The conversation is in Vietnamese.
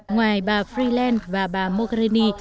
ngoài bà freeland và bà mogherini